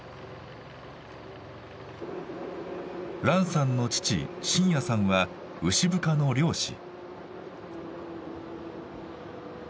藍さんの父新也さんは牛深の漁師。